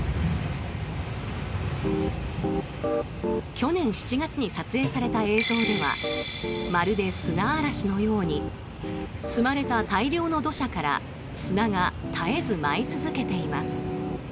去年７月に撮影された映像ではまるで砂嵐のように積まれた大量の土砂から砂が絶えず舞い続けています。